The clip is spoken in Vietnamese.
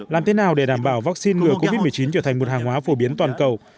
làm thế nào để đảm bảo vaccine ngừa covid một mươi chín trở thành một hàng hóa phổ biến toàn cầu